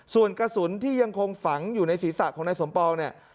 ส่วนกระสุนที่ยังคงฝังอยู่ในศีรษะของนายสมปองเนี่ย